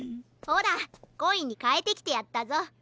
ほらコインにかえてきてやったぞ。